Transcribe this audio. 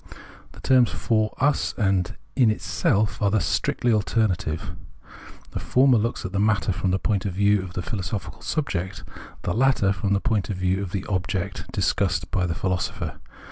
The terms "for us" and "in itself" are thus strictly alternative : the former looks at the matter from the point of view of the philosojjhical subject, the latter from the point of view of the object discussed by tlie philosopher.